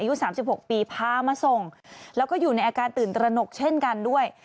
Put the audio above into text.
อายุสามสิบหาปีพามาส่งแล้วก็อยู่ในอาการตื่นตระหนกเช่นกันด้วย